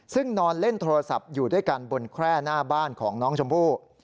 ซึ่งนอนเล่นโทรศัพท์อยู่ด้วยกันบนแคร่หน้าบ้านของน้องชมพู่